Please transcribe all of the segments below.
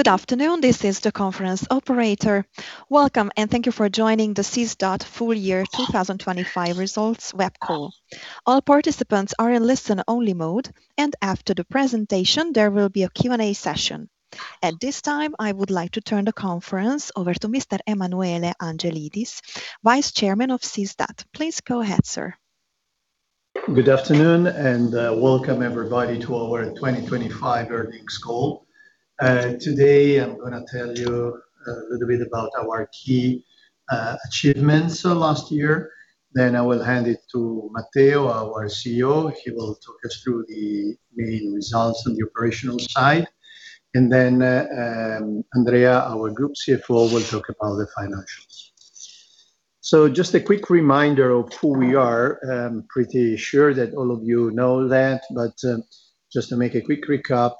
Good afternoon. This is the conference operator. Welcome, and thank you for joining the SYS-DAT full year 2025 results web call. All participants are in listen-only mode, and after the presentation, there will be a Q&A session. At this time, I would like to turn the conference over to Mr. Emanuele Angelidis, Vice Chairman of SYS-DAT. Please go ahead, sir. Good afternoon and welcome everybody to our 2025 earnings call. Today I'm gonna tell you a little bit about our key achievements of last year, then I will hand it to Matteo, our CEO. He will talk us through the main results on the operational side. Andrea, our group CFO, will talk about the financials. Just a quick reminder of who we are. I'm pretty sure that all of you know that, but just to make a quick recap,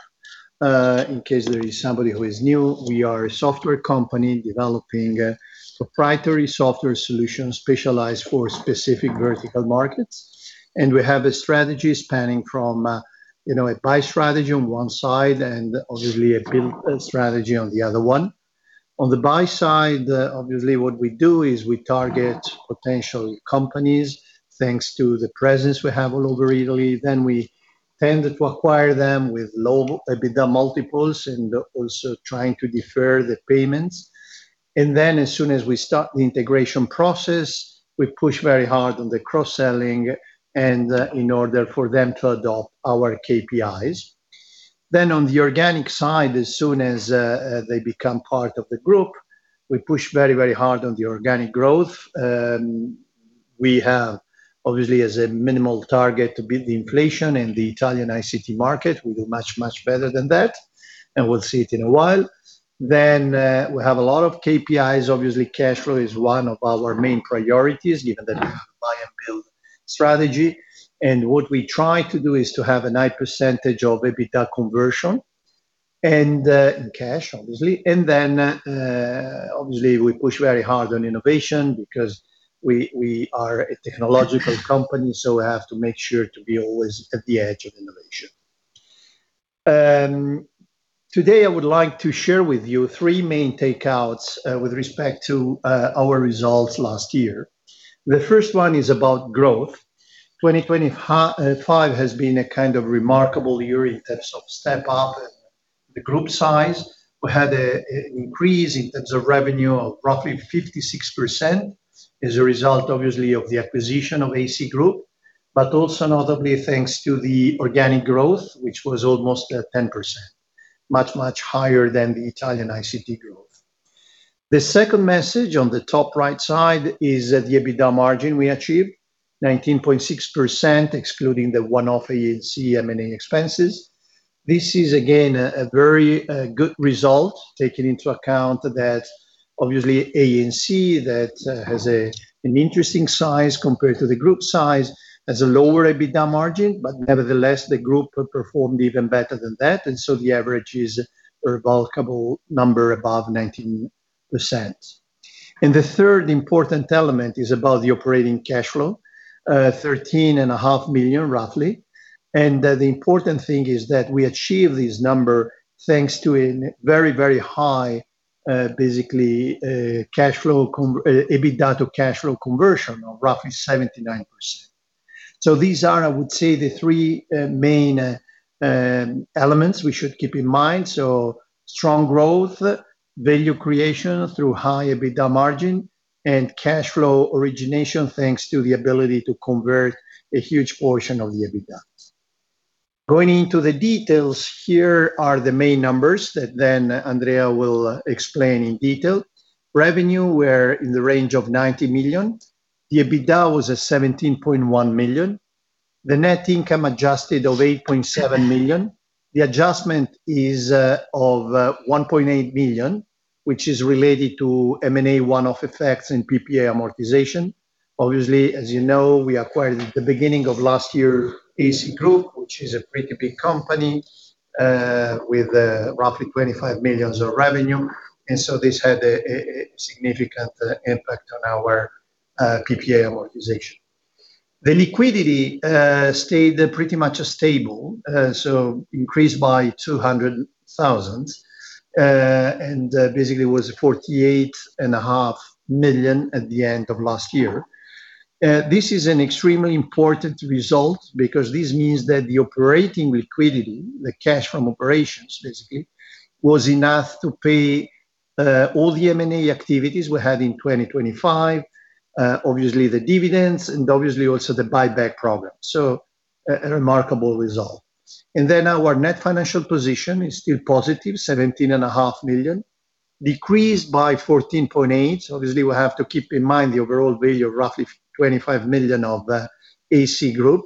in case there is somebody who is new, we are a software company developing proprietary software solutions specialized for specific vertical markets. We have a strategy spanning from, you know, a buy strategy on one side and obviously a build strategy on the other one. On the buy side, obviously what we do is we target potential companies, thanks to the presence we have all over Italy. We tend to acquire them with low EBITDA multiples and also trying to defer the payments. As soon as we start the integration process, we push very hard on the cross-selling and in order for them to adopt our KPIs. On the organic side, as soon as they become part of the group, we push very, very hard on the organic growth. We have obviously as a minimal target to beat the inflation in the Italian ICT market. We do much, much better than that, and we'll see it in a while. We have a lot of KPIs. Obviously, cash flow is one of our main priorities given that we have a buy and build strategy. What we try to do is to have a high percentage of EBITDA conversion and in cash, obviously. We push very hard on innovation because we are a technological company, so we have to make sure to be always at the edge of innovation. Today I would like to share with you three main takeouts with respect to our results last year. The first one is about growth. 2025 has been a kind of remarkable year in terms of step up the group size. We had an increase in terms of revenue of roughly 56% as a result obviously of the acquisition of A&C group, but also notably thanks to the organic growth, which was almost at 10%, much higher than the Italian ICT growth. The second message on the top right side is the EBITDA margin we achieved, 19.6%, excluding the one-off A&C M&A expenses. This is again a very good result, taking into account that obviously A&C that has an interesting size compared to the group size, has a lower EBITDA margin, but nevertheless the group performed even better than that. The average is a remarkable number above 19%. The third important element is about the operating cash flow, 13.5 million, roughly. The important thing is that we achieve this number thanks to a very, very high, basically, EBITDA to cash flow conversion of roughly 79%. These are, I would say, the three main elements we should keep in mind. Strong growth, value creation through high EBITDA margin, and cash flow origination, thanks to the ability to convert a huge portion of the EBITDA. Going into the details, here are the main numbers that then Andrea will explain in detail. Revenue were in the range of 90 million. The EBITDA was 17.1 million. The net income adjusted of 8.7 million. The adjustment is of 1.8 million, which is related to M&A one-off effects in PPA amortization. Obviously, as you know, we acquired at the beginning of last year A&C group, which is a pretty big company, with roughly 25 million of revenue. This had a significant impact on our PPA amortization. The liquidity stayed pretty much stable, so increased by 200,000. Basically was 48.5 million at the end of last year. This is an extremely important result because this means that the operating liquidity, the cash from operations basically, was enough to pay all the M&A activities we had in 2025, obviously the dividends and obviously also the buyback program. A remarkable result. Our net financial position is still positive, 17.5 million, decreased by 14.8 million. Obviously we have to keep in mind the overall value of roughly 25 million of A&C group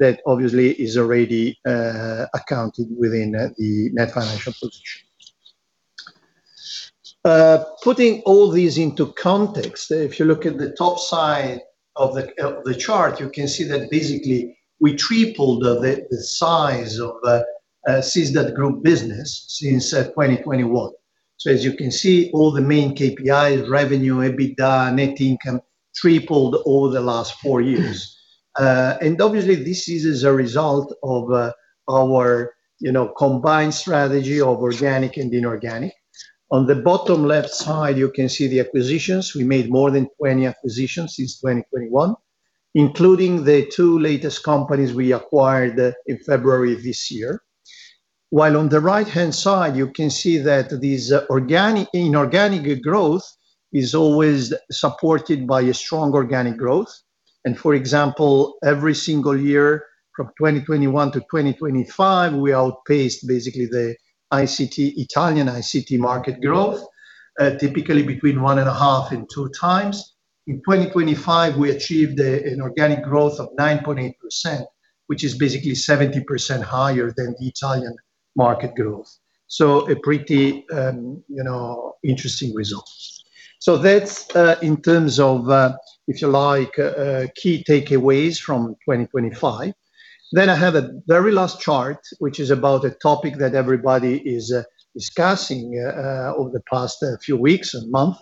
that obviously is already accounted within the net financial position. Putting all these into context, if you look at the top side of the chart, you can see that basically we tripled the size of SYS-DAT Group business since 2021. As you can see, all the main KPIs, revenue, EBITDA, net income tripled over the last four years. Obviously this is a result of our, you know, combined strategy of organic and inorganic. On the bottom left side, you can see the acquisitions. We made more than 20 acquisitions since 2021, including the two latest companies we acquired in February this year. While on the right-hand side, you can see that this organic inorganic growth is always supported by a strong organic growth. For example, every single year from 2021 to 2025, we outpaced basically the Italian ICT market growth, typically between 1.5 and 2x. In 2025, we achieved an organic growth of 9.8%, which is basically 70% higher than the Italian market growth. A pretty, you know, interesting result. That's, in terms of, if you like, key takeaways from 2025. I have a very last chart, which is about a topic that everybody is discussing over the past few weeks and months,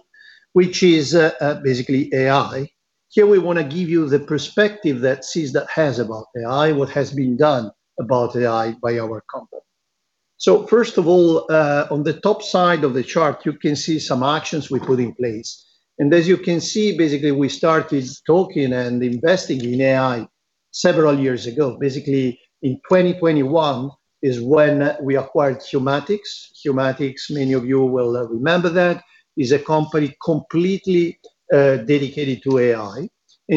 which is basically AI. Here we want to give you the perspective that SYS-DAT has about AI, what has been done about AI by our company. First of all, on the top side of the chart, you can see some actions we put in place. As you can see, basically we started talking and investing in AI several years ago. Basically, in 2021 is when we acquired Humatics. Humatics, many of you will remember that, is a company completely dedicated to AI.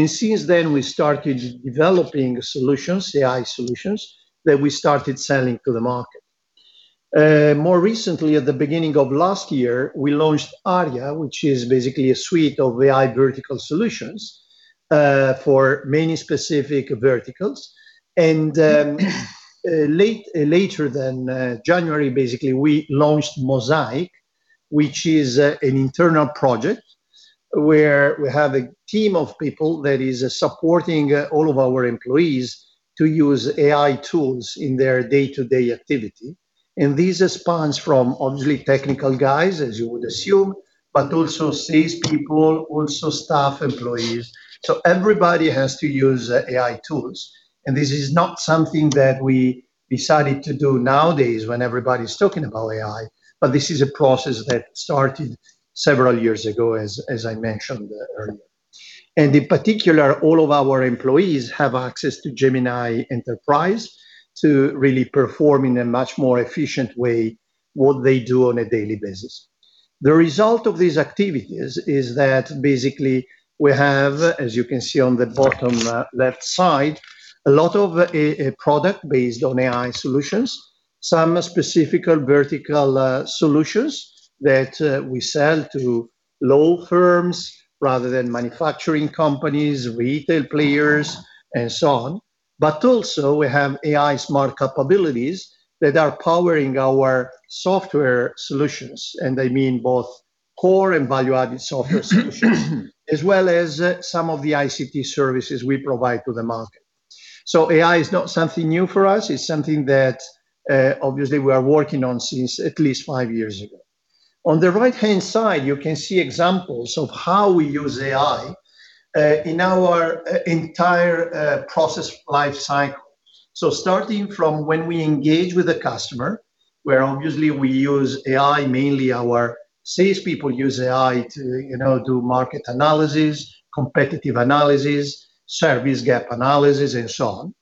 Since then we started developing solutions, AI solutions that we started selling to the market. More recently, at the beginning of last year, we launched arIA, which is basically a suite of AI vertical solutions for many specific verticals. Later than January, basically, we launched MosAIc, which is an internal project where we have a team of people that is supporting all of our employees to use AI tools in their day-to-day activity. This spans from obviously technical guys, as you would assume, but also sales people, also staff employees. Everybody has to use AI tools. This is not something that we decided to do nowadays when everybody's talking about AI, but this is a process that started several years ago, as I mentioned earlier. In particular, all of our employees have access to Gemini Enterprise to really perform in a much more efficient way what they do on a daily basis. The result of these activities is that basically we have, as you can see on the bottom left side, a lot of product based on AI solutions. Some specific vertical solutions that we sell to law firms rather than manufacturing companies, retail players, and so on. Also we have AI smart capabilities that are powering our software solutions, and I mean both core and value-added software solutions, as well as some of the ICT services we provide to the market. AI is not something new for us. It's something that, obviously we are working on since at least five years ago. On the right-hand side, you can see examples of how we use AI in our entire process life cycle. Starting from when we engage with a customer, where obviously we use AI, mainly our salespeople use AI to, you know, do market analysis, competitive analysis, service gap analysis, and so on,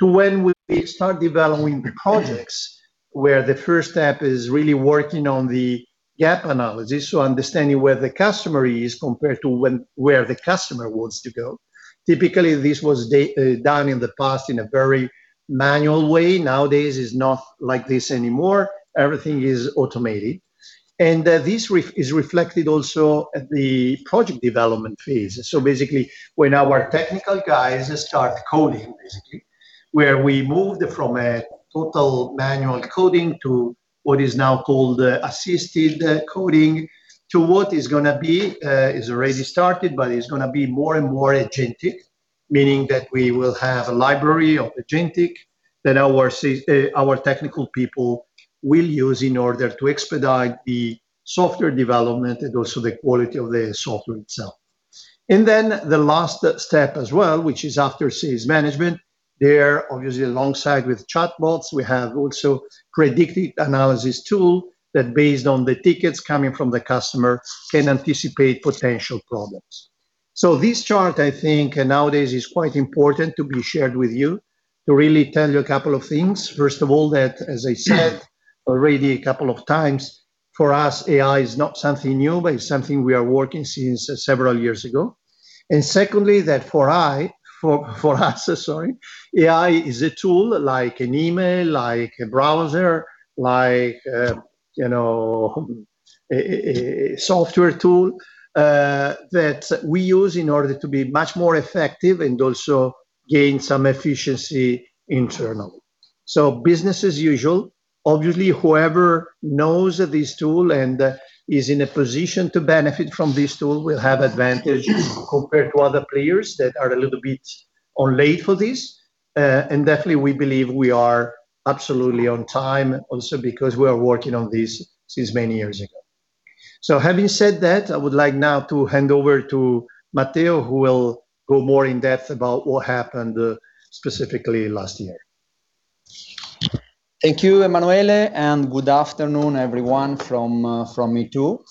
to when we start developing the projects where the first step is really working on the gap analysis. Understanding where the customer is compared to where the customer wants to go. Typically, this was done in the past in a very manual way. Nowadays, it's not like this anymore. Everything is automated. This is reflected also at the project development phase. Basically, when our technical guys start coding, basically, where we moved from a total manual coding to what is now called assisted coding to what is gonna be, is already started, but is gonna be more and more agents, meaning that we will have a library of agents that our technical people will use in order to expedite the software development and also the quality of the software itself. Then the last step as well, which is after sales management, there obviously alongside with chatbots, we have also predictive analytics tool that based on the tickets coming from the customer can anticipate potential problems. This chart, I think nowadays, is quite important to be shared with you to really tell you a couple of things. First of all, that, as I said already a couple of times, for us, AI is not something new, but it's something we are working since several years ago. Secondly, that for us, sorry, AI is a tool like an email, like a browser, like, you know, a software tool, that we use in order to be much more effective and also gain some efficiency internally. Business as usual, obviously, whoever knows this tool and is in a position to benefit from this tool will have advantage compared to other players that are a little bit late for this. Definitely we believe we are absolutely on time also because we are working on this since many years ago. Having said that, I would like now to hand over to Matteo, who will go more in depth about what happened, specifically last year. Thank you, Emanuele, and good afternoon everyone from me too.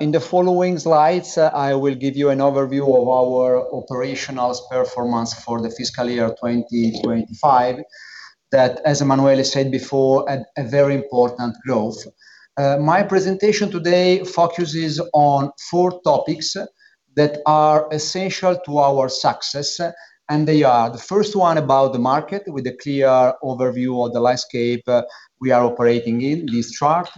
In the following slides, I will give you an overview of our operational performance for the fiscal year 2025 that, as Emanuele said before, a very important growth. My presentation today focuses on four topics that are essential to our success, and they are the first one about the market with a clear overview of the landscape we are operating in this chart.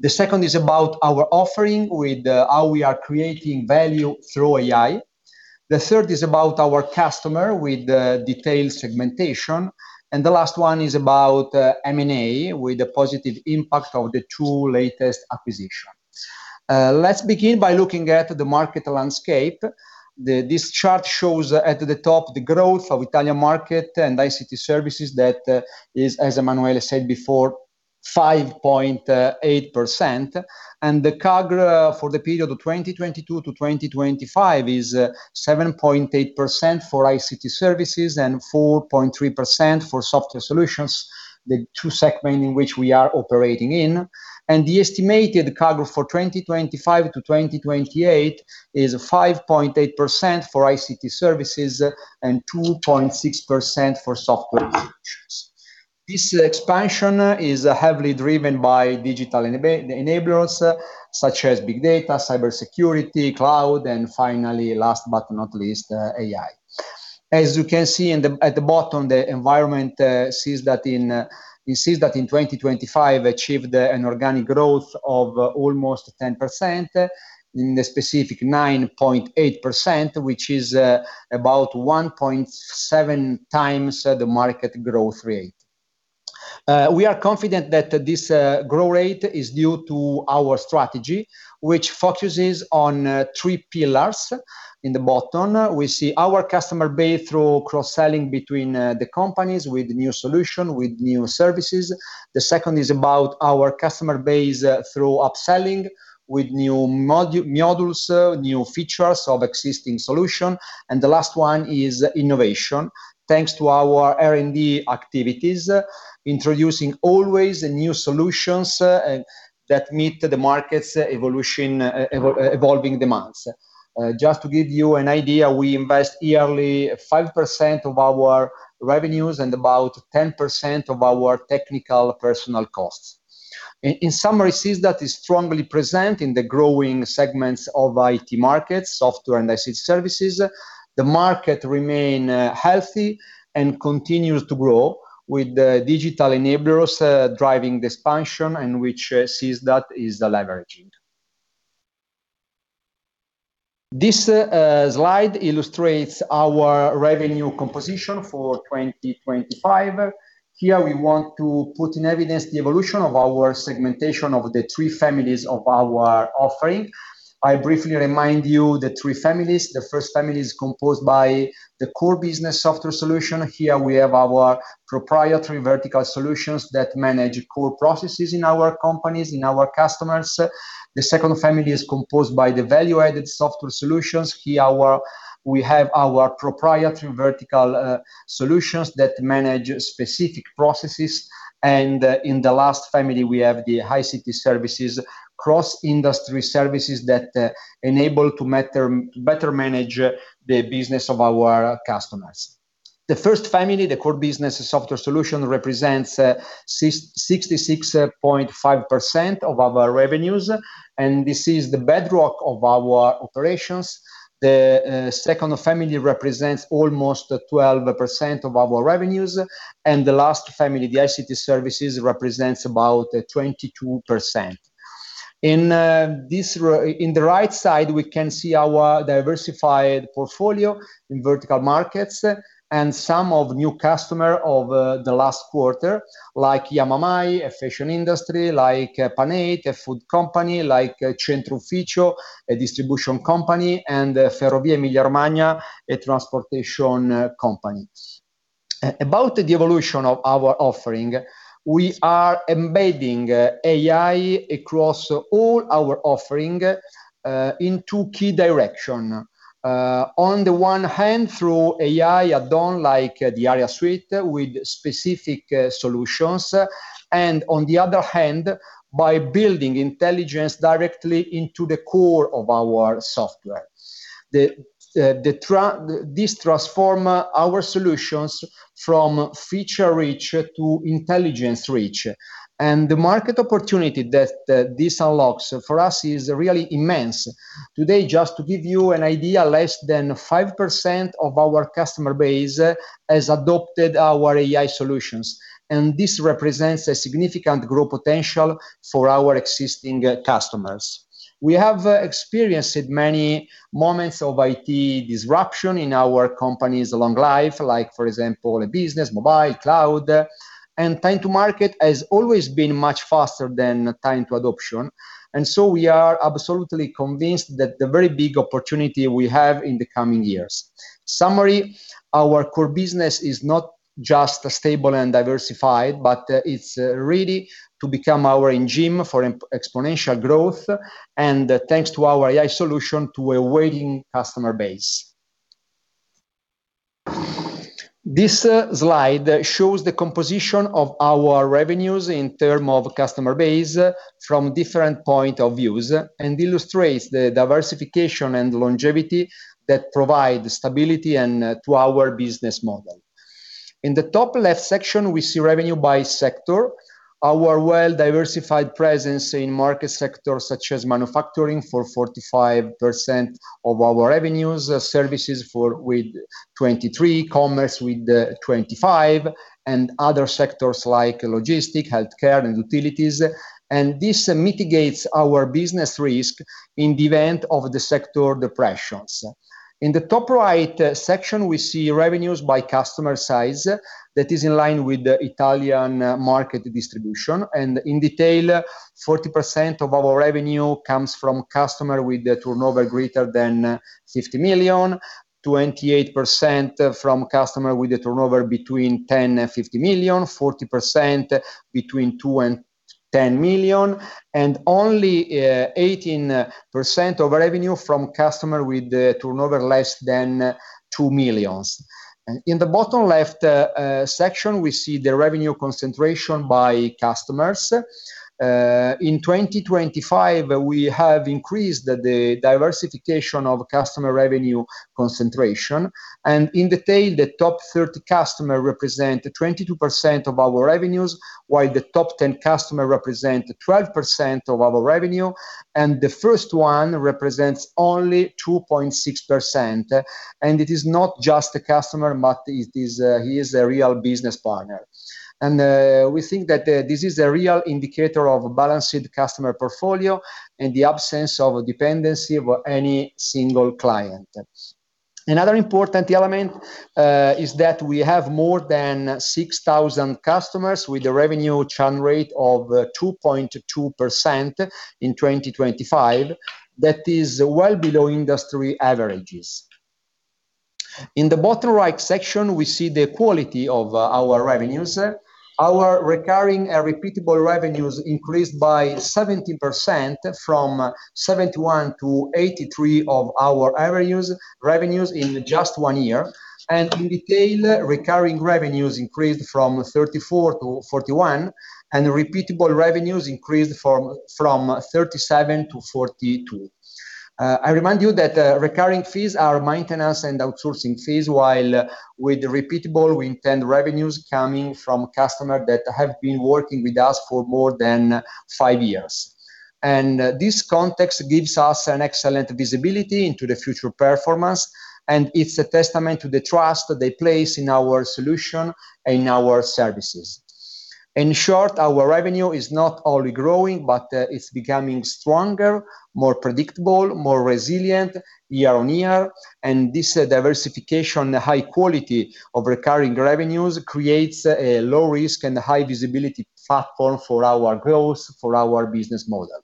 The second is about our offering with how we are creating value through AI. The third is about our customer with the detailed segmentation, and the last one is about M&A with the positive impact of the two latest acquisition. Let's begin by looking at the market landscape. The This chart shows at the top the growth of Italian market and ICT services that is, as Emanuele said before, 5.8%, and the CAGR for the period of 2022 to 2025 is 7.8% for ICT services and 4.3% for software solutions, the two segment in which we are operating in. The estimated CAGR for 2025 to 2028 is 5.8% for ICT services and 2.6% for software solutions. This expansion is heavily driven by digital enablers such as big data, cybersecurity, cloud, and finally, last but not least, AI. As you can see at the bottom, the environment sees that in 2025 it achieved an organic growth of almost 10%. In the specific, 9.8%, which is about 1.7x the market growth rate. We are confident that this growth rate is due to our strategy, which focuses on three pillars. In the bottom, we see our customer base through cross-selling between the companies with new solution, with new services. The second is about our customer base through upselling with new modules, new features of existing solution. The last one is innovation. Thanks to our R&D activities, introducing always new solutions that meet the market's evolving demands. Just to give you an idea, we invest yearly 5% of our revenues and about 10% of our technical personnel costs. In summary, SYS-DAT is strongly present in the growing segments of IT markets, software and ICT services. The market remains healthy and continues to grow with the digital enablers driving the expansion, which is the leveraging. This slide illustrates our revenue composition for 2025. Here we want to put in evidence the evolution of our segmentation of the three families of our offering. I briefly remind you the three families. The first family is composed by the core business software solution. Here we have our proprietary vertical solutions that manage core processes in our companies, in our customers. The second family is composed by the value-added software solutions. Here we have our proprietary vertical solutions that manage specific processes, and in the last family, we have the ICT services, cross-industry services that enable to better manage the business of our customers. The first family, the core business software solution, represents 66.5% of our revenues, and this is the bedrock of our operations. The second family represents almost 12% of our revenues, and the last family, the ICT services, represents about 22%. In the right side, we can see our diversified portfolio in vertical markets and some of new customer of the last quarter, like Yamamay, a fashion industry, like panaté, a food company, like Centrufficio, a distribution company, and Ferrovie Emilia-Romagna, a transportation company. About the evolution of our offering, we are embedding AI across all our offering in two key direction. On the one hand, through AI add-on, like the arIA Suite with specific solutions, and on the other hand, by building intelligence directly into the core of our software. This transform our solutions from feature-rich to intelligence-rich. The market opportunity that this unlocks for us is really immense. Today, just to give you an idea, less than 5% of our customer base has adopted our AI solutions, and this represents a significant growth potential for our existing customers. We have experienced many moments of IT disruption in our company's long life, like, for example, e-business, mobile, cloud. Time to market has always been much faster than time to adoption. We are absolutely convinced that the very big opportunity we have in the coming years. Summary, our core business is not just stable and diversified, but it's ready to become our engine for exponential growth, and thanks to our AI solution, to a waiting customer base. This slide shows the composition of our revenues in terms of customer base from different points of view and illustrates the diversification and longevity that provide stability and to our business model. In the top left section, we see revenue by sector. Our well-diversified presence in market sectors such as manufacturing for 45% of our revenues, services with 23%, commerce with 25%, and other sectors like logistics, healthcare, and utilities. This mitigates our business risk in the event of the sector depressions. In the top right section, we see revenues by customer size that is in line with the Italian market distribution. In detail, 40% of our revenue comes from customers with a turnover greater than 50 million, 28% from customers with a turnover between 10 million and 50 million, 40% between 2 million and 10 million, and only 18% of revenue from customers with a turnover less than 2 million. In the bottom left section, we see the revenue concentration by customers. In 2025, we have increased the diversification of customer revenue concentration. In detail, the top 30 customers represent 22% of our revenues, while the top 10 customers represent 12% of our revenue, and the first one represents only 2.6%. It is not just a customer, but it is, he is a real business partner. We think that this is a real indicator of a balanced customer portfolio and the absence of a dependency of any single client. Another important element is that we have more than 6,000 customers with a revenue churn rate of 2.2% in 2025. That is well below industry averages. In the bottom right section, we see the quality of our revenues. Our recurring and repeatable revenues increased by 70% from 71 to 83 of our revenues in just one year. In detail, recurring revenues increased from 34 to 41, and repeatable revenues increased from 37 to 42. I remind you that recurring fees are maintenance and outsourcing fees, while with repeatable, we intend revenues coming from customer that have been working with us for more than 5 years. This context gives us an excellent visibility into the future performance, and it's a testament to the trust they place in our solution and our services. In short, our revenue is not only growing, but it's becoming stronger, more predictable, more resilient year on year. This diversification, high quality of recurring revenues creates a low risk and high visibility platform for our growth, for our business model.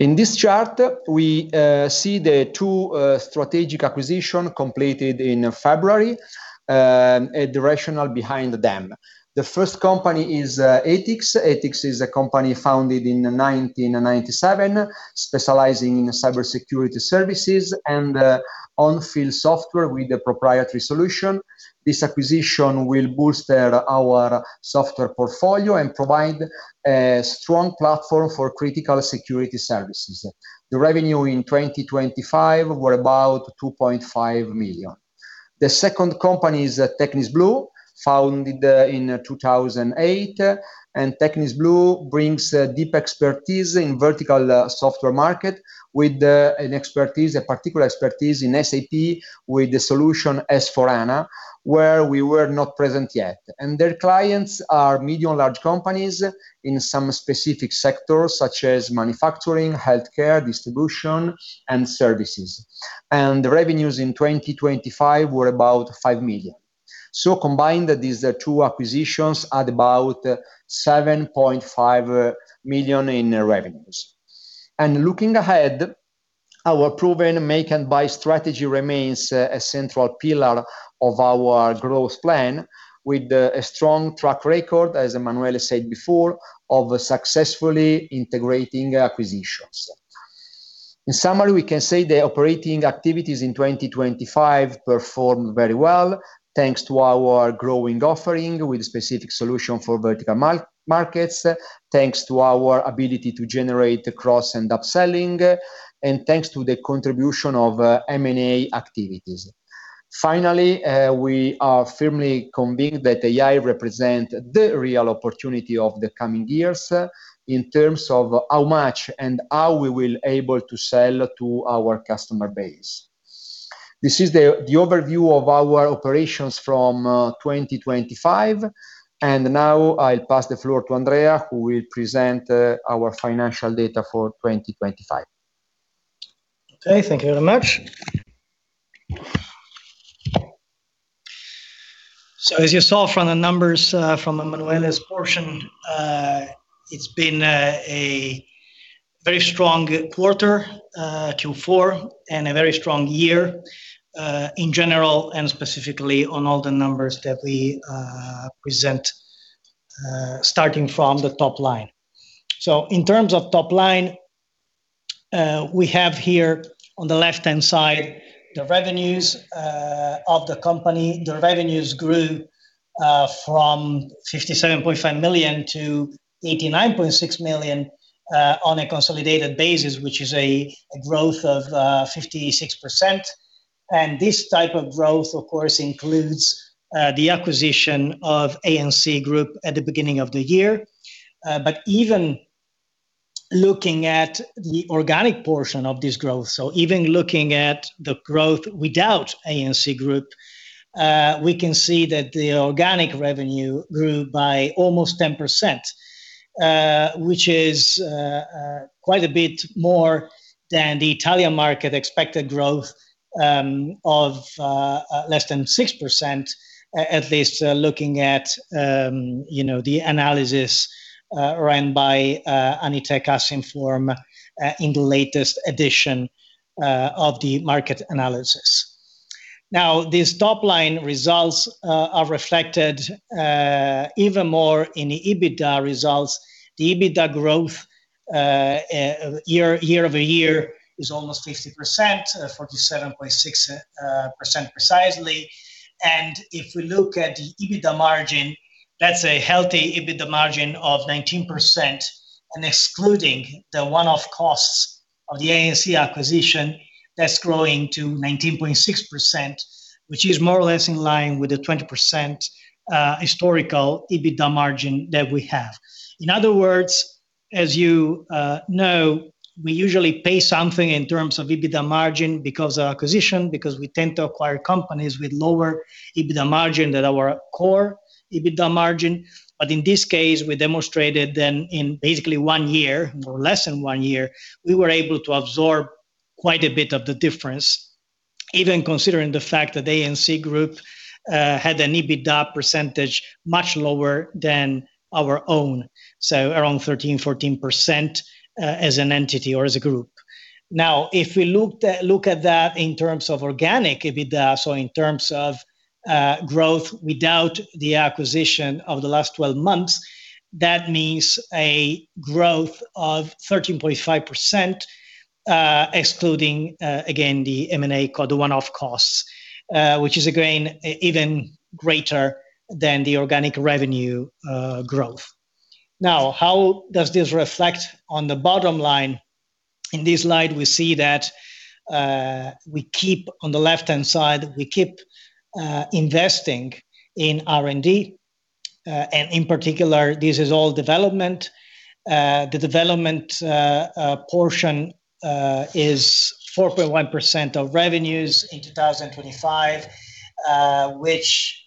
In this chart, we see the two strategic acquisition completed in February, and the rationale behind them. The first company is et.ics. et.ics is a company founded in 1997, specializing in cybersecurity services and on-field software with a proprietary solution. This acquisition will bolster our software portfolio and provide a strong platform for critical security services. The revenue in 2025 were about 2.5 million. The second company is Technis Blu, founded in 2008. Technis Blu brings deep expertise in vertical software market with a particular expertise in SAP with the solution S/4HANA, where we were not present yet. Their clients are medium, large companies in some specific sectors such as manufacturing, healthcare, distribution, and services. The revenues in 2025 were about 5 million. Combined, these two acquisitions add about 7.5 million in revenues. Looking ahead, our proven make-and-buy strategy remains a central pillar of our growth plan with a strong track record, as Emanuele said before, of successfully integrating acquisitions. In summary, we can say the operating activities in 2025 performed very well, thanks to our growing offering with specific solution for vertical markets, thanks to our ability to generate the cross-selling and upselling, and thanks to the contribution of M&A activities. Finally, we are firmly convinced that AI represent the real opportunity of the coming years in terms of how much and how we will able to sell to our customer base. This is the overview of our operations from 2025. Now I'll pass the floor to Andrea, who will present our financial data for 2025. Okay, thank you very much. As you saw from the numbers, from Emanuele's portion, it's been a very strong quarter, Q4, and a very strong year in general, and specifically on all the numbers that we present, starting from the top line. In terms of top line, we have here on the left-hand side, the revenues of the company. The revenues grew from 57.5 million to 89.6 million on a consolidated basis, which is a growth of 56%. This type of growth, of course, includes the acquisition of A&C Group at the beginning of the year. Even looking at the organic portion of this growth, so even looking at the growth without A&C Group, we can see that the organic revenue grew by almost 10%, which is quite a bit more than the Italian market expected growth of less than 6%, at least looking at, you know, the analysis run by Anitec-Assinform in the latest edition of the market analysis. Now, these top-line results are reflected even more in the EBITDA results. The EBITDA growth year-over-year is almost 50%, 47.6% precisely. If we look at the EBITDA margin, that's a healthy EBITDA margin of 19%. Excluding the one-off costs of the A&C acquisition, that's growing to 19.6%, which is more or less in line with the 20% historical EBITDA margin that we have. In other words, as you know, we usually pay something in terms of EBITDA margin because of acquisition, because we tend to acquire companies with lower EBITDA margin than our core EBITDA margin. But in this case, we demonstrated then in basically one year, or less than one year, we were able to absorb quite a bit of the difference, even considering the fact that A&C Group had an EBITDA percentage much lower than our own, so around 13%-14%, as an entity or as a group. Now, look at that in terms of organic EBITDA, so in terms of growth without the acquisition of the last twelve months, that means a growth of 13.5%, excluding again the M&A and the one-off costs, which is again even greater than the organic revenue growth. Now, how does this reflect on the bottom line? In this slide, we see that on the left-hand side, we keep investing in R&D, and in particular, this is all development. The development portion is 4.1% of revenues in 2025, which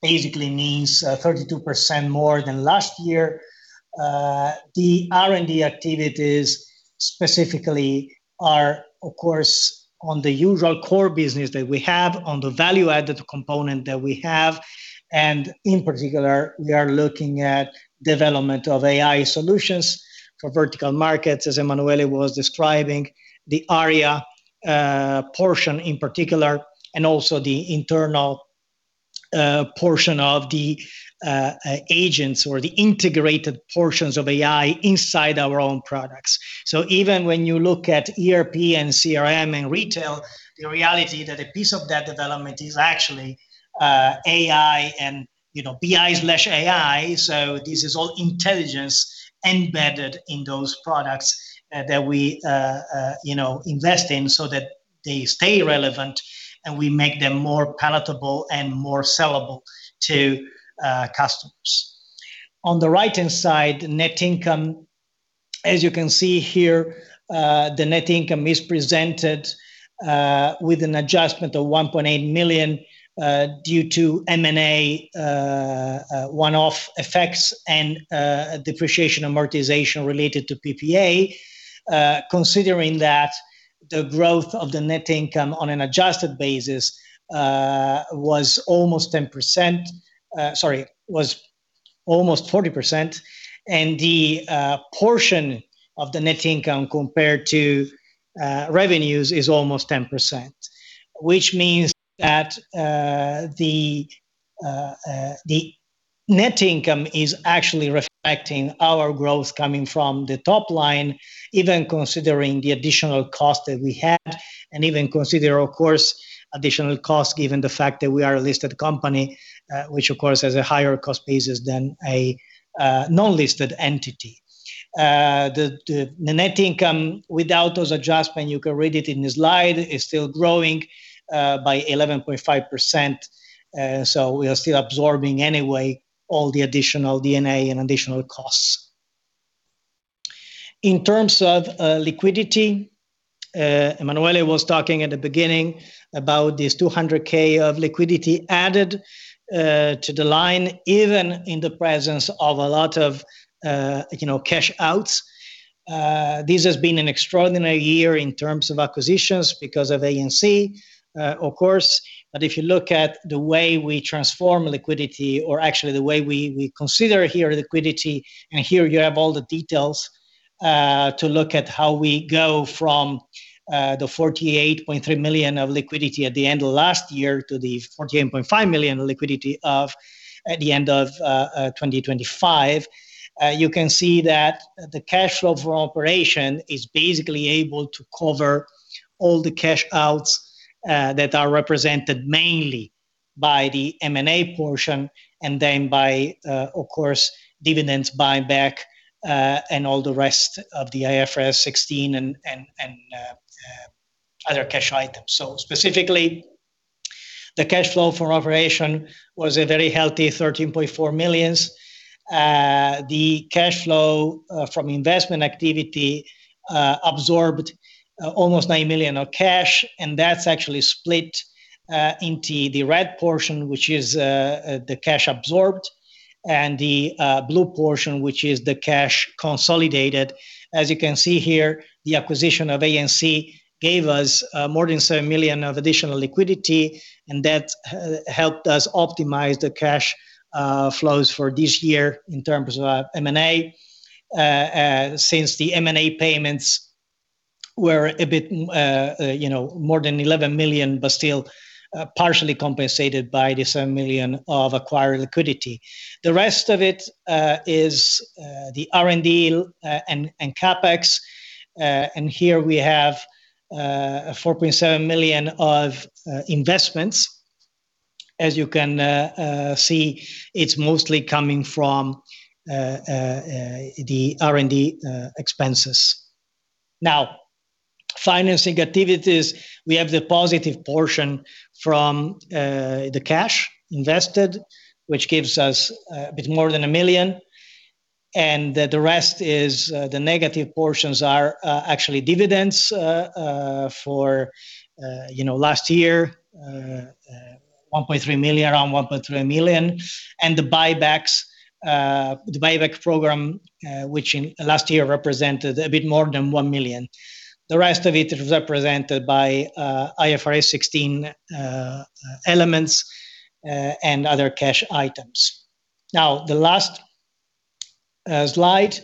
basically means 32% more than last year. The R&D activities specifically are, of course, on the usual core business that we have, on the value-added component that we have, and in particular, we are looking at development of AI solutions for vertical markets, as Emanuele was describing, the arIA portion in particular, and also the internal portion of the agents or the integrated portions of AI inside our own products. Even when you look at ERP and CRM and retail, the reality that a piece of that development is actually AI and, you know, BI/AI, so this is all intelligence embedded in those products that we, you know, invest in so that they stay relevant, and we make them more palatable and more sellable to customers. On the right-hand side, net income. As you can see here, the net income is presented with an adjustment of 1.8 million due to M&A, one-off effects and depreciation, amortization related to PPA. Considering that the growth of the net income on an adjusted basis was almost 40%, and the portion of the net income compared to revenues is almost 10%, which means that the net income is actually reflecting our growth coming from the top line, even considering the additional cost that we had and even consider, of course, additional costs given the fact that we are a listed company, which of course, has a higher cost basis than a non-listed entity. The net income without those adjustment, you can read it in the slide, is still growing by 11.5%, so we are still absorbing anyway all the additional D&A and additional costs. In terms of liquidity, Emanuele was talking at the beginning about this 200K of liquidity added to the line, even in the presence of a lot of, you know, cash outs. This has been an extraordinary year in terms of acquisitions because of A&C, of course. If you look at the way we transform liquidity or actually the way we consider here liquidity, and here you have all the details to look at how we go from the 48.3 million of liquidity at the end of last year to the 48.5 million liquidity at the end of 2025. You can see that the cash flow for operation is basically able to cover all the cash outs that are represented mainly by the M&A portion and then by, of course, dividends buyback, and all the rest of the IFRS 16 and other cash items. Specifically, the cash flow for operation was a very healthy 13.4 million. The cash flow from investment activity absorbed almost 9 million of cash, and that's actually split into the red portion, which is the cash absorbed, and the blue portion, which is the cash consolidated. As you can see here, the acquisition of A&C gave us more than 7 million of additional liquidity, and that helped us optimize the cash flows for this year in terms of M&A. Since the M&A payments were a bit, you know, more than 11 million, but still partially compensated by the 7 million of acquired liquidity. The rest of it is the R&D and CapEx. Here we have 4.7 million of investments. As you can see, it's mostly coming from the R&D expenses. Now, financing activities, we have the positive portion from the cash invested, which gives us a bit more than 1 million, and the rest is the negative portions are actually dividends for you know last year. 1.3 million, around 1.3 million. The buybacks, the buyback program, which in last year represented a bit more than 1 million. The rest of it is represented by IFRS 16 elements and other cash items. Now, the last slide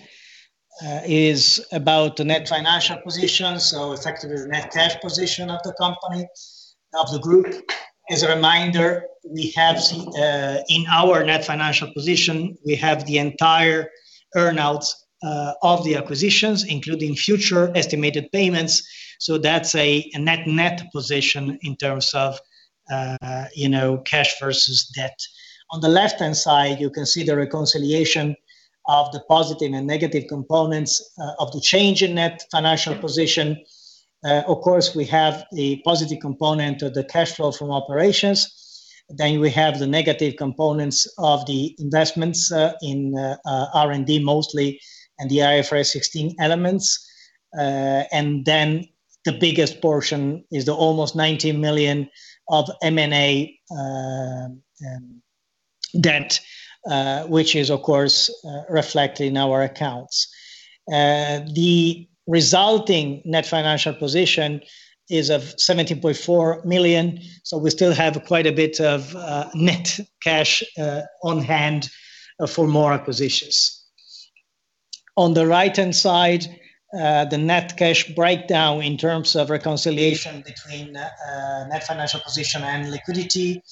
is about the net financial position, so it's actually the net cash position of the company, of the group. As a reminder, in our net financial position, we have the entire earnouts of the acquisitions, including future estimated payments. That's a net-net position in terms of cash versus debt. On the left-hand side, you can see the reconciliation of the positive and negative components of the change in net financial position. Of course, we have the positive component of the cash flow from operations. Then we have the negative components of the investments in R&D mostly and the IFRS 16 elements. Then the biggest portion is the almost 19 million of M&A debt, which is, of course, reflected in our accounts. The resulting net financial position is 17.4 million, we still have quite a bit of net cash on hand for more acquisitions. On the right-hand side, the net cash breakdown in terms of reconciliation between net financial position and liquidity,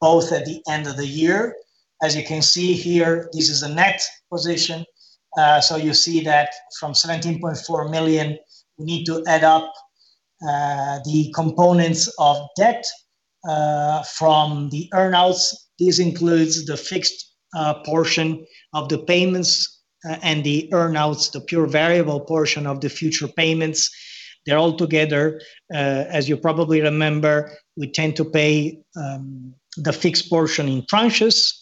both at the end of the year. As you can see here, this is a net position. You see that from 17.4 million, we need to add up the components of debt from the earnouts. This includes the fixed portion of the payments and the earnouts, the pure variable portion of the future payments. They're all together. As you probably remember, we tend to pay the fixed portion in tranches,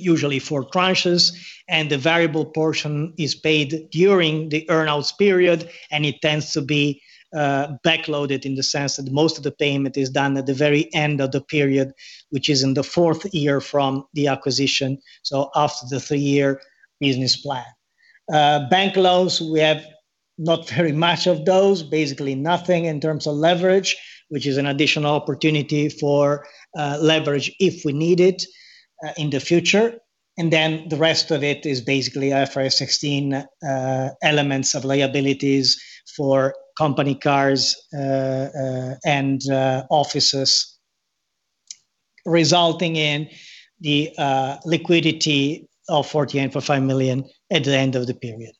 usually four tranches, and the variable portion is paid during the earnouts period, and it tends to be backloaded in the sense that most of the payment is done at the very end of the period, which is in the fourth year from the acquisition, so after the three-year business plan. Bank loans, we have not very much of those, basically nothing in terms of leverage, which is an additional opportunity for leverage if we need it in the future. Then the rest of it is basically IFRS 16 elements of liabilities for company cars and offices, resulting in the liquidity of 48.5 million at the end of the period.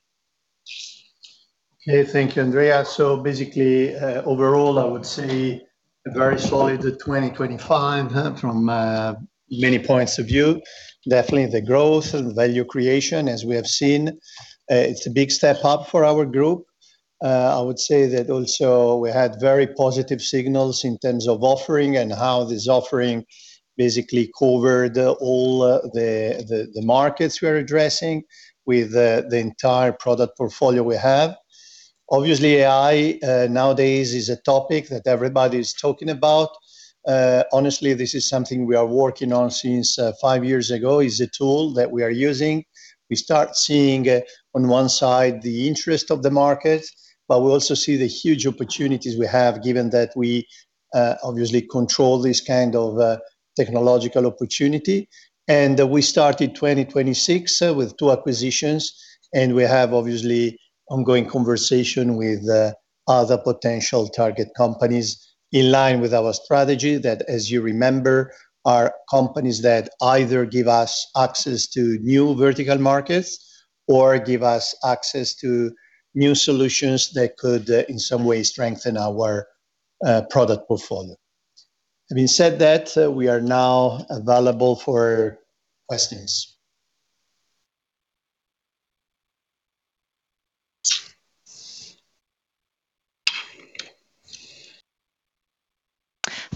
Okay. Thank you, Andrea. Basically, overall, I would say a very solid 2025 from many points of view. Definitely the growth and value creation, as we have seen, it's a big step up for our group. I would say that also we had very positive signals in terms of offering and how this offering basically covered all the markets we're addressing with the entire product portfolio we have. Obviously, AI nowadays is a topic that everybody's talking about. Honestly, this is something we are working on since 5 years ago, is a tool that we are using. We start seeing on one side the interest of the market, but we also see the huge opportunities we have given that we obviously control this kind of technological opportunity. We started 2026 with two acquisitions, and we have obviously ongoing conversation with other potential target companies in line with our strategy that, as you remember, are companies that either give us access to new vertical markets or give us access to new solutions that could in some way strengthen our product portfolio. Having said that, we are now available for questions.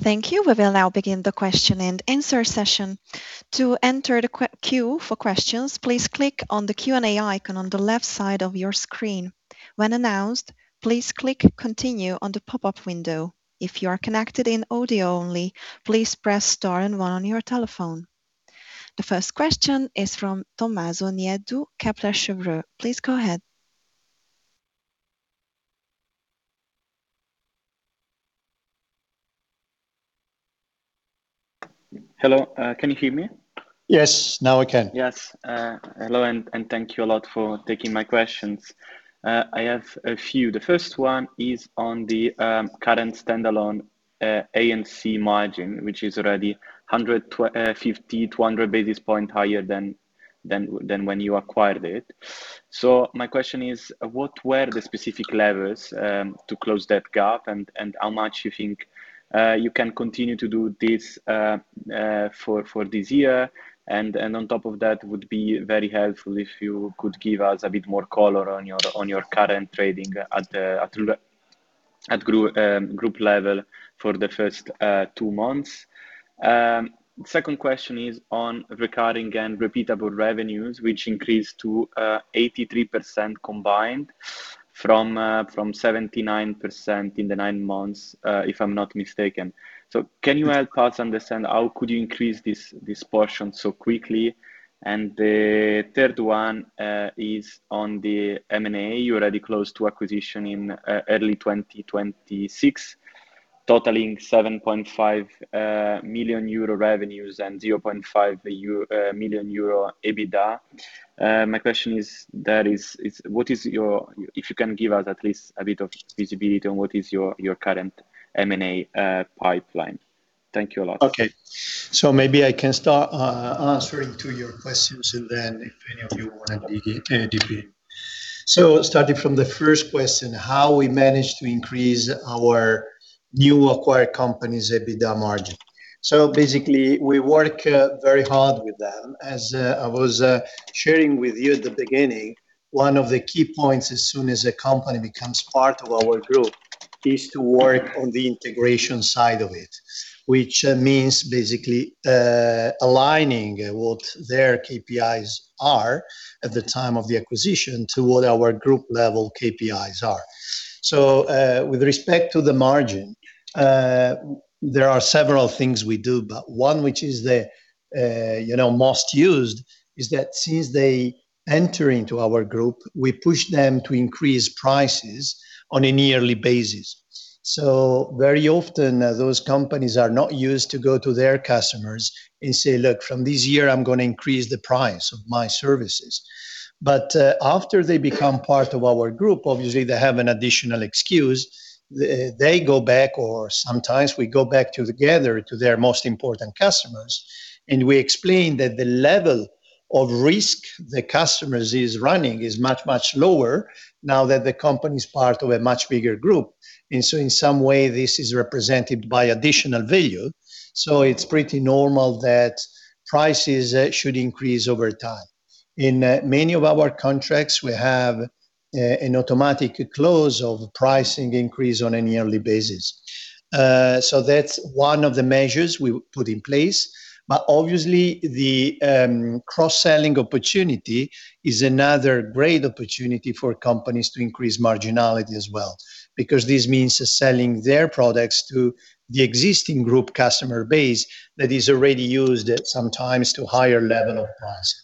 Thank you. We will now begin the question and answer session. To enter the queue for questions, please click on the Q&A icon on the left side of your screen. When announced, please click Continue on the pop-up window. If you are connected in audio only, please press star and one on your telephone. The first question is from Tommaso Nieddu, Kepler Cheuvreux. Please go ahead. Hello, can you hear me? Yes. Now I can. Yes. Hello, and thank you a lot for taking my questions. I have a few. The first one is on the current standalone A&C margin, which is already 150, 200 basis points higher than when you acquired it. My question is, what were the specific levers to close that gap and how much you think you can continue to do this for this year? On top of that, would be very helpful if you could give us a bit more color on your current trading at the group level for the first two months. Second question is on recurring and repeatable revenues, which increased to 83% combined from 79% in the nine months, if I'm not mistaken. Can you help us understand how could you increase this portion so quickly? The third one is on the M&A. You already closed two acquisitions in early 2026, totaling 7.5 million euro revenues and 0.5 million euro EBITDA. My question is what is your. If you can give us at least a bit of visibility on what is your current M&A pipeline. Thank you a lot. Okay. Maybe I can start answering to your questions and then if any of you wanna dig deeper. Starting from the first question, how we managed to increase our new acquired company's EBITDA margin. Basically, we work very hard with them. As I was sharing with you at the beginning, one of the key points as soon as a company becomes part of our group is to work on the integration side of it, which means basically aligning what their KPIs are at the time of the acquisition to what our group level KPIs are. With respect to the margin, there are several things we do, but one which is the you know most used is that since they enter into our group, we push them to increase prices on a yearly basis. Very often, those companies are not used to go to their customers and say, "Look, from this year, I'm gonna increase the price of my services." After they become part of our group, obviously they have an additional excuse. They go back, or sometimes we go back together to their most important customers, and we explain that the level of risk the customers is running is much, much lower now that the company's part of a much bigger group. In some way, this is represented by additional value, so it's pretty normal that prices should increase over time. In many of our contracts, we have an automatic clause of pricing increase on an yearly basis. That's one of the measures we put in place. Obviously the cross-selling opportunity is another great opportunity for companies to increase marginality as well because this means selling their products to the existing group customer base that is already used to sometimes to higher level of price.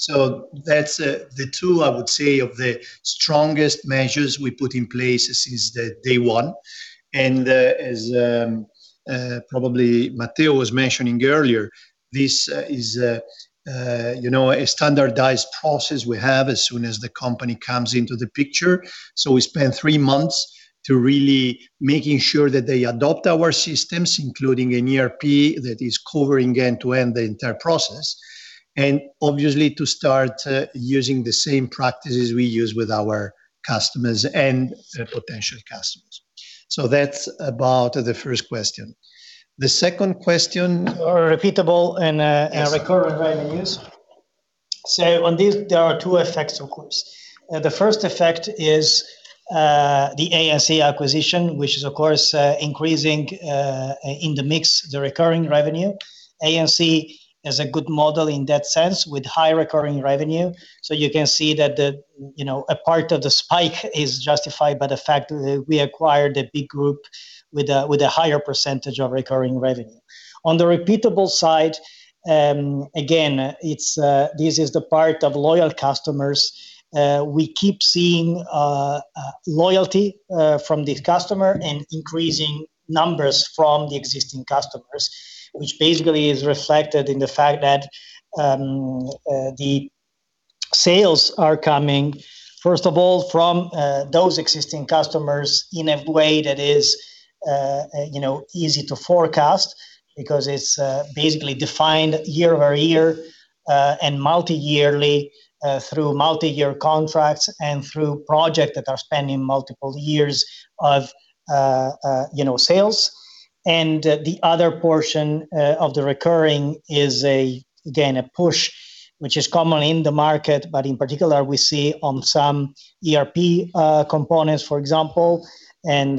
So that's the two, I would say, of the strongest measures we put in place since day one. As probably Matteo was mentioning earlier, this you know is a standardized process we have as soon as the company comes into the picture. So we spend three months to really making sure that they adopt our systems, including an ERP that is covering end-to-end the entire process, and obviously to start using the same practices we use with our customers and potential customers. So that's about the first question. The second question. repeatable and Yes. Recurrent revenues. On this, there are two effects, of course. The first effect is the A&C acquisition, which is of course increasing in the mix the recurring revenue. A&C is a good model in that sense with high recurring revenue. You can see that the, you know, a part of the spike is justified by the fact that we acquired a big group with a higher percentage of recurring revenue. On the repeatable side, again, this is the part of loyal customers. We keep seeing loyalty from this customer and increasing numbers from the existing customers, which basically is reflected in the fact that the sales are coming, first of all, from those existing customers in a way that is, you know, easy to forecast because it's basically defined year-over-year and multi-yearly through multi-year contracts and through project that are spanning multiple years of, you know, sales. The other portion of the recurring is again a push, which is common in the market, but in particular we see on some ERP components, for example, and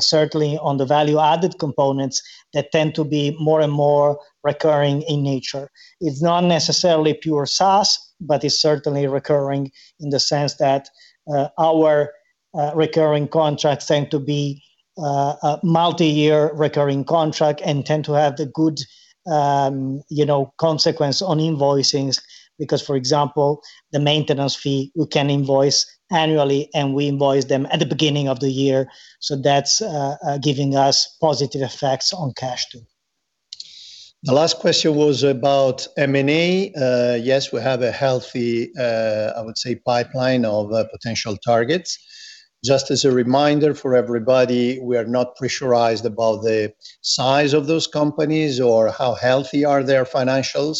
certainly on the value-added components that tend to be more and more recurring in nature. It's not necessarily pure SaaS, but it's certainly recurring in the sense that our recurring contracts tend to be a multi-year recurring contract and tend to have the good, you know, consequence on invoicing. Because, for example, the maintenance fee we can invoice annually, and we invoice them at the beginning of the year. That's giving us positive effects on cash too. The last question was about M&A. Yes, we have a healthy, I would say, pipeline of potential targets. Just as a reminder for everybody, we are not pressurized about the size of those companies or how healthy are their financials.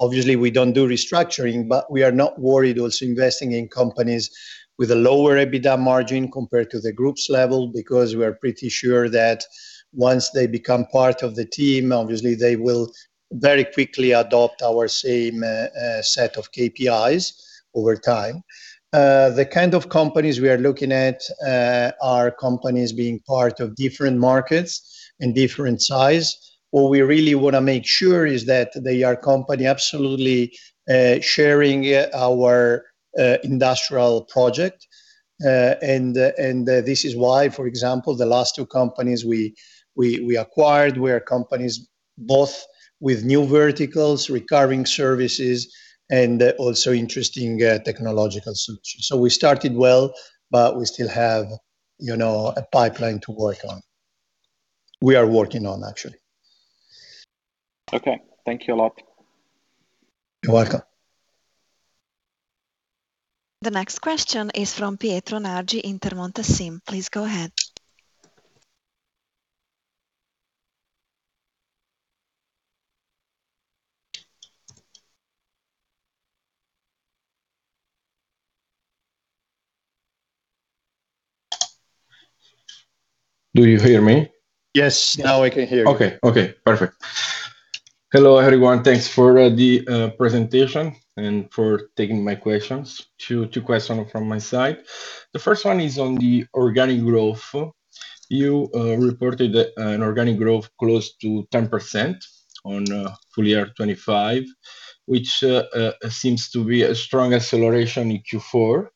Obviously, we don't do restructuring, but we are not worried also investing in companies with a lower EBITDA margin compared to the group's level because we are pretty sure that once they become part of the team, obviously they will very quickly adopt our same set of KPIs over time. The kind of companies we are looking at are companies being part of different markets and different size. What we really wanna make sure is that they are company absolutely sharing our industrial project. This is why, for example, the last two companies we acquired were companies both with new verticals, recurring services, and also interesting technological solutions. We started well, but we still have, you know, a pipeline to work on. We are working on actually. Okay. Thank you a lot. You're welcome. The next question is from Pietro Nargi, Intermonte SIM. Please go ahead. Do you hear me? Yes. Now I can hear you. Okay. Perfect. Hello, everyone. Thanks for the presentation and for taking my questions. Two questions from my side. The first one is on the organic growth. You reported an organic growth close to 10% on full year 2025, which seems to be a strong acceleration in Q4,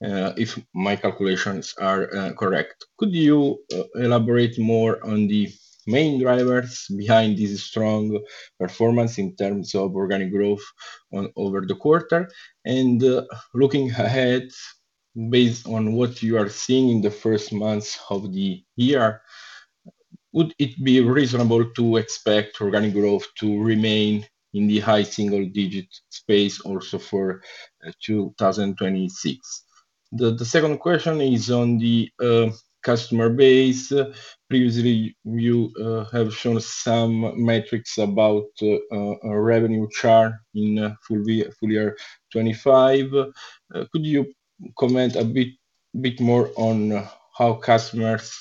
if my calculations are correct. Could you elaborate more on the main drivers behind this strong performance in terms of organic growth over the quarter? Looking ahead, based on what you are seeing in the first months of the year, would it be reasonable to expect organic growth to remain in the high single digit space also for 2026? The second question is on the customer base. Previously, you have shown some metrics about revenue chart in full year 2025. Could you comment a bit more on how customers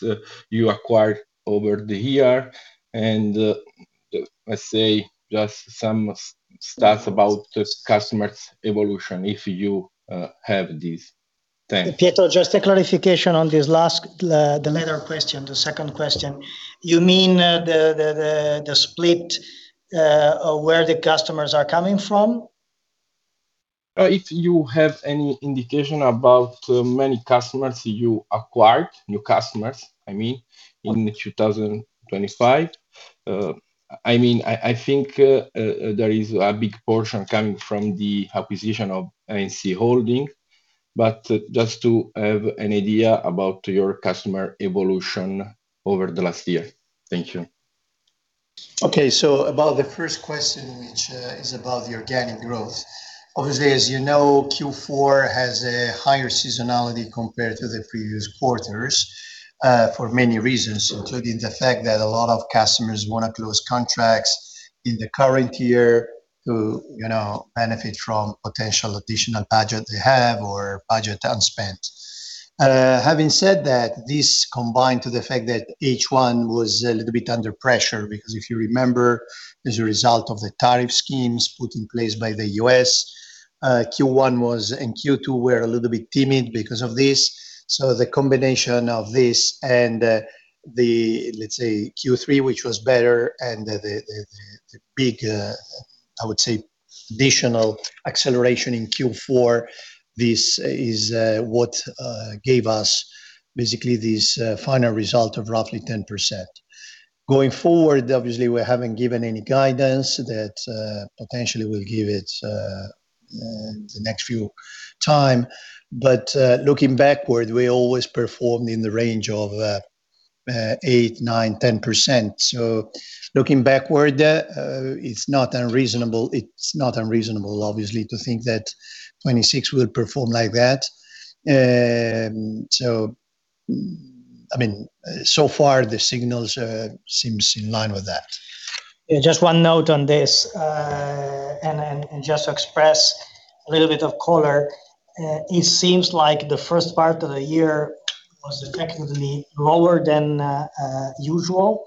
you acquired over the year? Let's say just some stats about the customers' evolution, if you have this. Thanks. Pietro, just a clarification on this last, the latter question, the second question. You mean, the split, of where the customers are coming from? If you have any indication about how many customers you acquired, new customers, I mean, in 2025. I mean, I think there is a big portion coming from the acquisition of A&C Holding, but just to have an idea about your customer evolution over the last year. Thank you. Okay. About the first question, which is about the organic growth. Obviously, as you know, Q4 has a higher seasonality compared to the previous quarters, for many reasons, including the fact that a lot of customers wanna close contracts in the current year to, you know, benefit from potential additional budget they have or budget unspent. Having said that, this combined with the fact that H1 was a little bit under pressure because if you remember as a result of the tariff schemes put in place by the U.S., Q1 and Q2 were a little bit timid because of this. The combination of this and the, let's say, Q3, which was better, and the big, I would say, additional acceleration in Q4, this is what gave us basically this final result of roughly 10%. Going forward, obviously, we haven't given any guidance that potentially will give it in the next few times. Looking backward, we always performed in the range of 8%-10%. Looking backward, it's not unreasonable. It's not unreasonable, obviously, to think that 2026 will perform like that. I mean, so far the signals seems in line with that. Just one note on this, and just to express a little bit of color. It seems like the first part of the year was effectively lower than usual,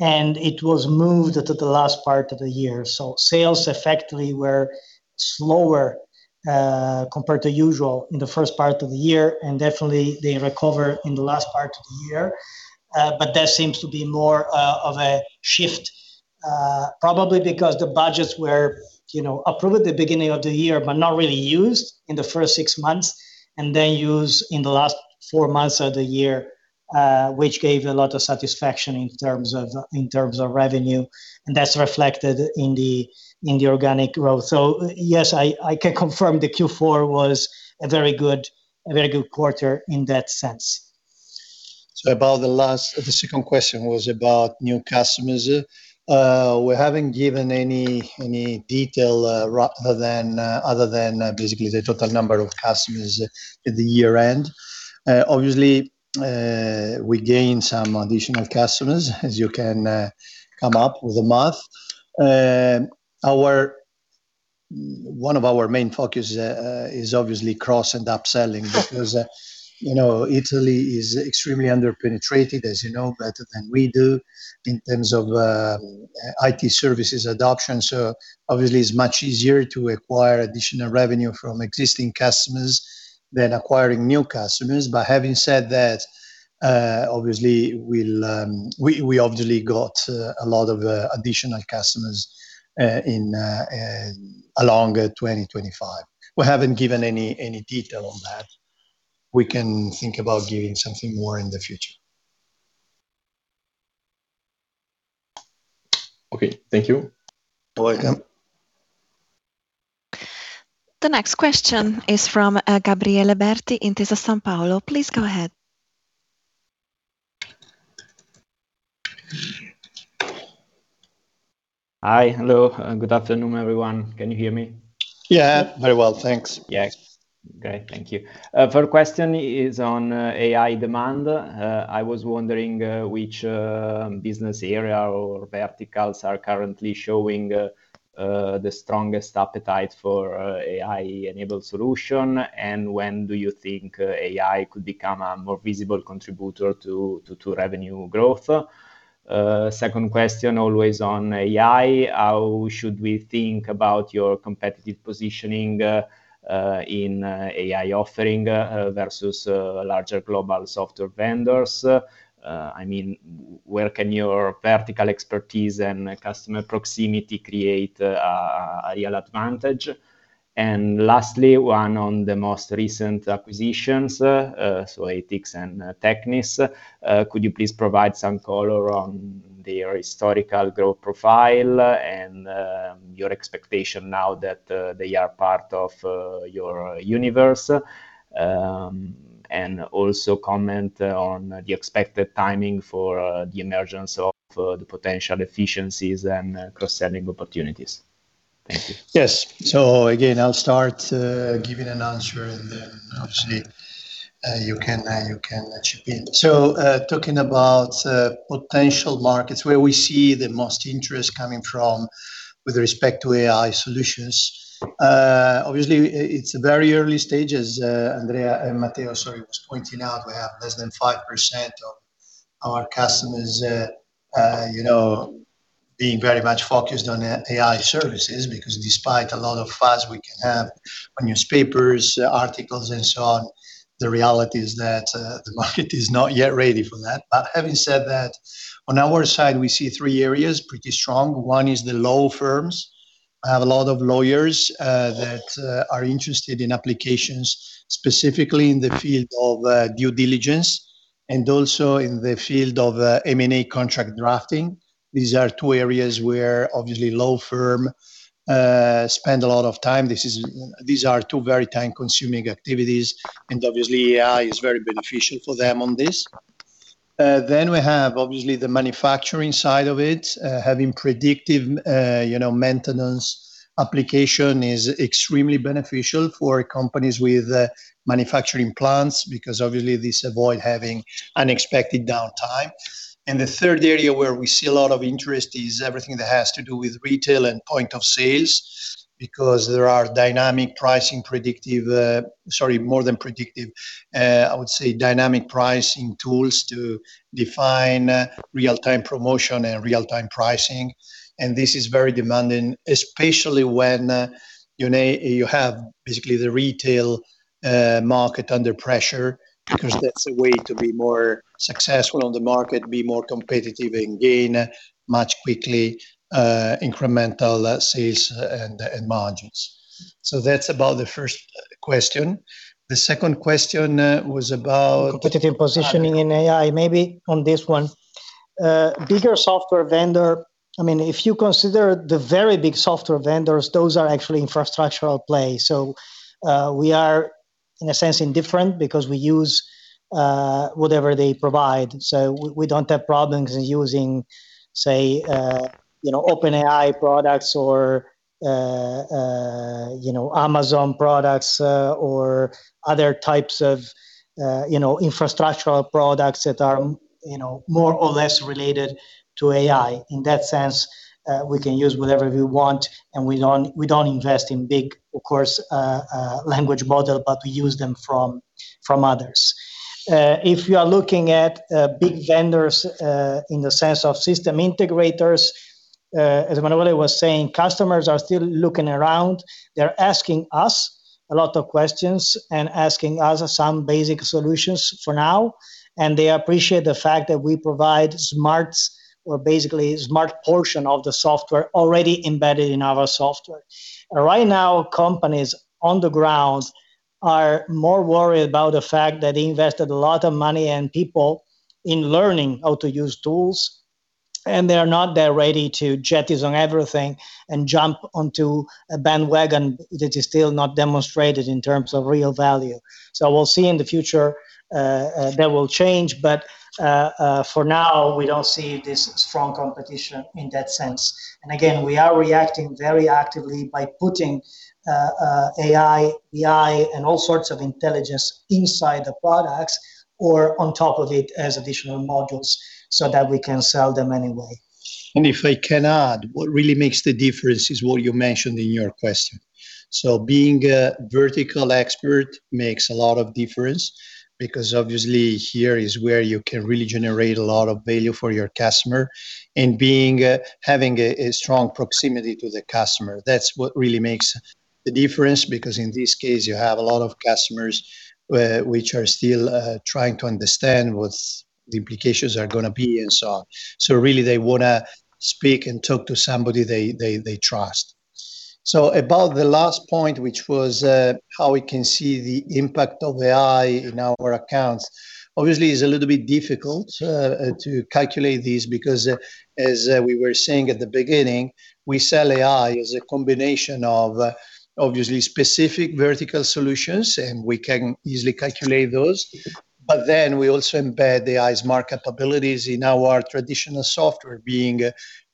and it was moved to the last part of the year. Sales effectively were slower compared to usual in the first part of the year, and definitely they recover in the last part of the year. That seems to be more of a shift, probably because the budgets were, you know, approved at the beginning of the year but not really used in the first six months, and then used in the last four months of the year, which gave a lot of satisfaction in terms of revenue. That's reflected in the organic growth. Yes, I can confirm the Q4 was a very good quarter in that sense. The second question was about new customers. We haven't given any detail, other than basically the total number of customers at the year-end. Obviously, we gained some additional customers, as you can do the math. One of our main focus is obviously cross-selling and upselling because, you know, Italy is extremely under-penetrated, as you know better than we do, in terms of IT services adoption. It's much easier to acquire additional revenue from existing customers than acquiring new customers. Having said that, obviously we got a lot of additional customers in 2025. We haven't given any detail on that. We can think about giving something more in the future. Okay. Thank you. You're welcome. The next question is from Gabriele Berti, Intesa Sanpaolo. Please go ahead. Hi. Hello, and good afternoon, everyone. Can you hear me? Yeah, very well. Thanks. Yes. Great, thank you. First question is on AI demand. I was wondering which business area or verticals are currently showing the strongest appetite for AI-enabled solution. When do you think AI could become a more visible contributor to revenue growth? Second question, always on AI. How should we think about your competitive positioning in AI offering versus larger global software vendors? I mean, where can your vertical expertise and customer proximity create a real advantage? Lastly, one on the most recent acquisitions, so ATIX and Technis Blu. Could you please provide some color on their historical growth profile and your expectation now that they are part of your universe? Also, comment on the expected timing for the emergence of the potential efficiencies and cross-selling opportunities. Thank you. Yes. Again, I'll start giving an answer and then obviously, you can chip in. Talking about potential markets where we see the most interest coming from with respect to AI solutions. Obviously, it's very early stages. Matteo, sorry, was pointing out we have less than 5% of our customers, you know, being very much focused on AI services because despite a lot of fuss we can have on newspapers, articles, and so on, the reality is that the market is not yet ready for that. Having said that, on our side, we see three areas pretty strong. One is the law firms. I have a lot of lawyers that are interested in applications, specifically in the field of due diligence and also in the field of M&A contract drafting. These are two areas where obviously law firms spend a lot of time. These are two very time-consuming activities, and obviously AI is very beneficial for them on this. Then we have obviously the manufacturing side of it. Having predictive, you know, maintenance application is extremely beneficial for companies with manufacturing plants because obviously this avoids having unexpected downtime. The third area where we see a lot of interest is everything that has to do with retail and point of sales. There are dynamic pricing tools to define real-time promotion and real-time pricing. This is very demanding, especially when you have basically the retail market under pressure, because that's a way to be more successful on the market, be more competitive and gain much quickly incremental sales and margins. That's about the first question. The second question was about- Competitive positioning in AI. Maybe on this one. Bigger software vendor. I mean, if you consider the very big software vendors, those are actually infrastructural play. We are in a sense indifferent because we use whatever they provide. We don't have problems using, say, you know, OpenAI products or, you know, Amazon products, or other types of, you know, infrastructural products that are, you know, more or less related to AI. In that sense, we can use whatever we want, and we don't invest in big, of course, language model, but we use them from others. If you are looking at big vendors, in the sense of system integrators, as Emanuele was saying, customers are still looking around. They're asking us a lot of questions and asking us some basic solutions for now, and they appreciate the fact that we provide smart or basically smart portion of the software already embedded in our software. Right now, companies on the ground are more worried about the fact that they invested a lot of money and people in learning how to use tools, and they are not that ready to jettison everything and jump onto a bandwagon that is still not demonstrated in terms of real value. We'll see in the future that will change, but for now, we don't see this strong competition in that sense. Again, we are reacting very actively by putting AI, BI, and all sorts of intelligence inside the products or on top of it as additional modules so that we can sell them anyway. If I can add, what really makes the difference is what you mentioned in your question. Being a vertical expert makes a lot of difference because obviously here is where you can really generate a lot of value for your customer, and having a strong proximity to the customer. That's what really makes the difference because in this case, you have a lot of customers which are still trying to understand what the implications are gonna be and so on. Really they wanna speak and talk to somebody they trust. About the last point, which was how we can see the impact of AI in our accounts. Obviously, it's a little bit difficult to calculate this because, as we were saying at the beginning, we sell AI as a combination of obviously specific vertical solutions, and we can easily calculate those. Then we also embed the AI's market abilities in our traditional software being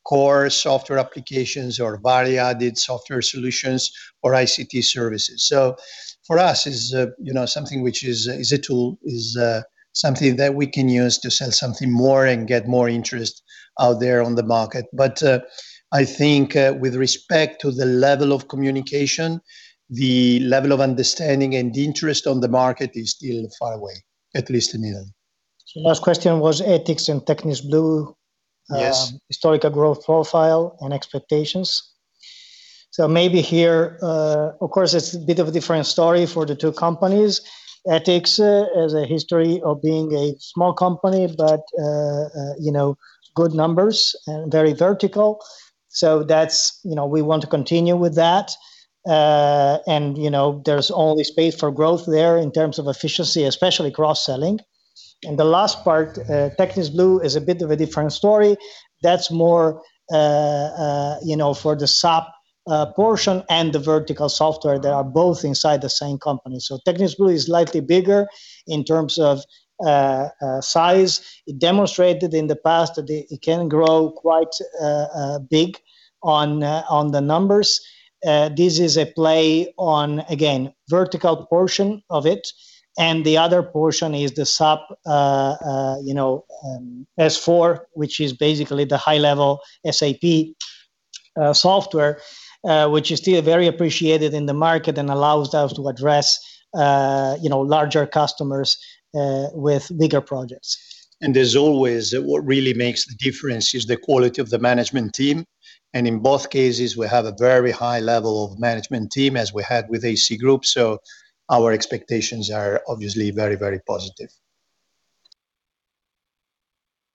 core software applications or value-added software solutions or ICT services. For us is, you know, something which is a tool, something that we can use to sell something more and get more interest out there on the market. I think, with respect to the level of communication, the level of understanding and the interest on the market is still far away, at least in Italy. Last question was et.ics and Technis Blu. Yes. Historical growth profile and expectations. Maybe here, of course, it's a bit of a different story for the two companies. et.ics has a history of being a small company, but you know, good numbers and very vertical. That's you know, we want to continue with that. You know, there's only space for growth there in terms of efficiency, especially cross-selling. The last part, Technis Blu is a bit of a different story. That's more you know, for the SAP portion and the vertical software that are both inside the same company. Technis Blu is slightly bigger in terms of size. It demonstrated in the past that it can grow quite big on the numbers. This is a play on, again, vertical portion of it, and the other portion is the SAP, you know, S/4, which is basically the high-level SAP software, which is still very appreciated in the market and allows us to address, you know, larger customers with bigger projects. As always, what really makes the difference is the quality of the management team. In both cases, we have a very high level of management team as we had with A&C group. Our expectations are obviously very, very positive.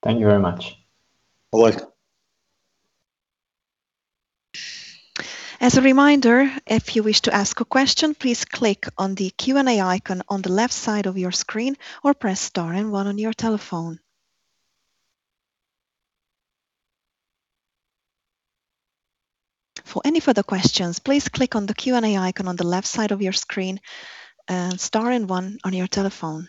Thank you very much. You're welcome. As a reminder, if you wish to ask a question, please click on the Q&A icon on the left side of your screen or press star and one on your telephone. For any further questions, please click on the Q&A icon on the left side of your screen, star and one on your telephone.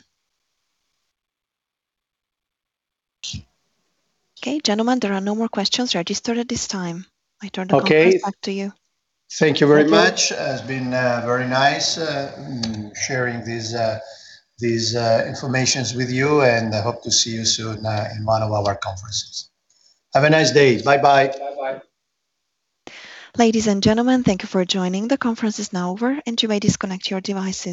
Okay, gentlemen, there are no more questions registered at this time. I turn the conference back to you. Okay. Thank you very much. Thank you. It's been very nice sharing these information with you, and I hope to see you soon in one of our conferences. Have a nice day. Bye-bye. Bye-bye. Ladies and gentlemen, thank you for joining. The conference is now over, and you may disconnect your devices.